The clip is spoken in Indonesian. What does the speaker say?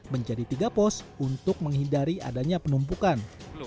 menjadi tiga pos untuk menghindari adanya penumpukan